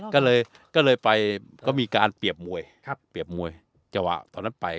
ก็เลยไปก็มีการเปรียบมวยเปรียบมวยจังหวะตอนนั้นไป